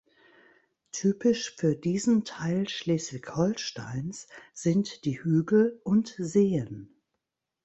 Typisch für diesen Teil Schleswig-Holsteins sind die Hügel und Seen.